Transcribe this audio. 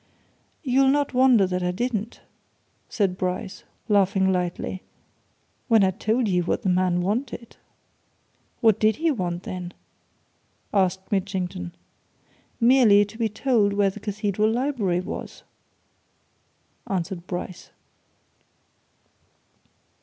"You'll not wonder that I didn't," said Bryce, laughing lightly, "when I tell you what the man wanted." "What did he want, then?" asked Mitchington. "Merely to be told where the Cathedral Library was," answered Bryce.